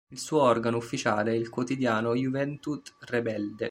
Il suo organo ufficiale è il quotidiano Juventud Rebelde.